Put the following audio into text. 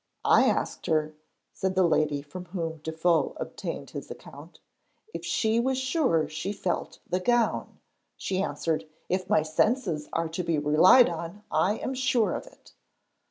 'I asked her,' said the lady from whom Defoe obtained his account, 'if she was sure she felt the gown; she answered, "If my senses are to be relied on, I am sure of it."'